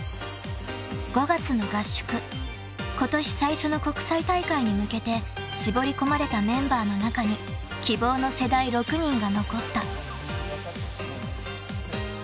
［今年最初の国際大会に向けて絞り込まれたメンバーの中に希望の世代６人が残った］